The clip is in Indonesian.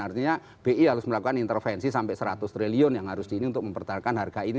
artinya bi harus melakukan intervensi sampai seratus triliun yang harus di ini untuk mempertahankan harga ini